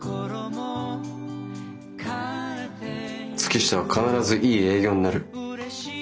月下は必ずいい営業になる。